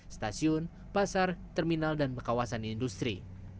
stasiun pasar terminal dan kawasan industri